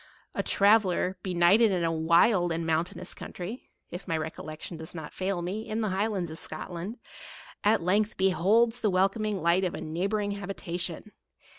A traveller, benighted in a wild and .mountainous country, (if my re collection does not fail me, in the Highlands of Scotland,) at length beholds the welcome light of a neighbouring habitation.